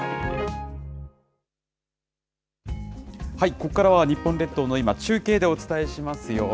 ここからは、日本列島の今、中継でお伝えしますよ。